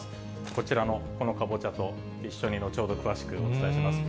こちらのこのかぼちゃと一緒に、後ほど詳しくお伝えします。